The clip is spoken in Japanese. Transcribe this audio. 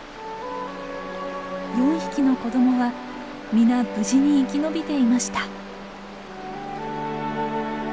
４匹の子どもは皆無事に生き延びていました。